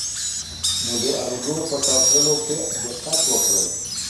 نو د الګو په ټاکلو کې دقت وکړئ.